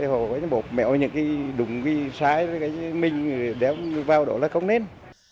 họ bột mẹo những đúng sai mình đéo vào đó là không nên